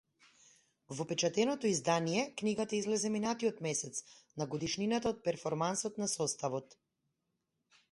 Во печатено издание книгата излезе минатиот месец, на годишнината од перформансот на составот.